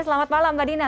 selamat malam mbak dina